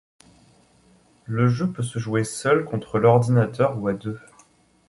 Le jeu peut se jouer seul contre l’ordinateur ou à deux.